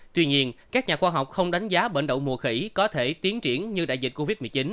tuy nhiên các nhà khoa học không đánh giá bệnh đậu mùa khỉ có thể tiến triển như đại dịch covid một mươi chín